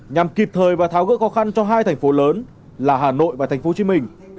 nhằm kịp thời và tháo gỡ khó khăn cho hai thành phố lớn là hà nội và thành phố hồ chí minh